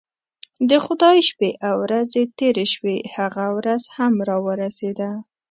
د خدای شپې او ورځې تیرې شوې هغه ورځ هم راورسېده.